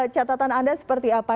catatan anda seperti apa